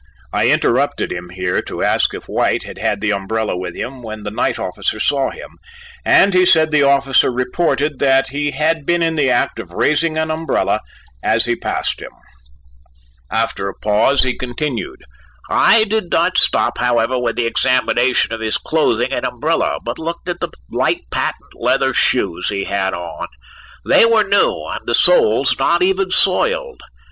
I interrupted him here to ask if White had had the umbrella with him when the night officer saw him, and he said the officer reported that he had been in the act of raising an umbrella as he passed him. After a pause, he continued: "I did not stop, however, with the examination of his clothing and umbrella, but looked at the light patent leather shoes he had on. They were new and the soles not even soiled.